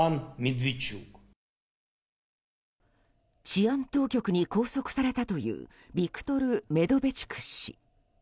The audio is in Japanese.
治安当局に拘束されたというビクトル・メドベチュク氏。